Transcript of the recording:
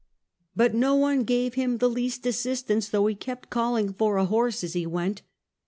But no one gave him the least assistance, though he kept calling for a horse as he went.